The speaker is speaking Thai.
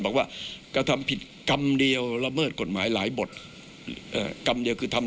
กตบอกไว้ดังนั้นสิ่งที่ไม่แน่ใจก็ไม่ควรทำ